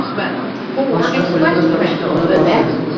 Boshqa klubga sotishga olib borsin